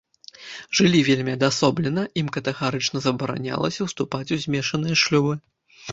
Жылі вельмі адасоблена, ім катэгарычна забаранялася ўступаць у змешаныя шлюбы.